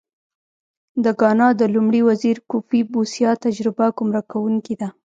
د ګانا د لومړي وزیر کوفي بوسیا تجربه ګمراه کوونکې ده.